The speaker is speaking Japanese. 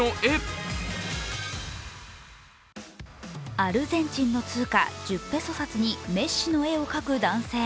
アルゼンチンの通貨１０ペソ札にメッシの絵を描く男性。